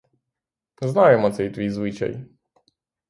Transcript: Знаємо цей твій звичай!